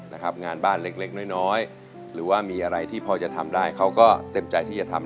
นะครับงานบ้านเล็กเล็กน้อยน้อยหรือว่ามีอะไรที่พอจะทำได้เขาก็เต็มใจที่จะทำ